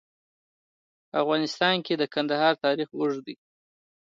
په افغانستان کې د پکتیکا تاریخ اوږد دی.